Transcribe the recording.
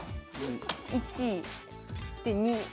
１で２。